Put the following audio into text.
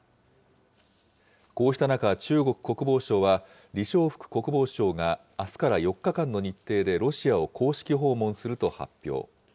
こうした中、中国国防省は李尚福国防相があすから４日間の日程で、ロシアを公式訪問すると発表。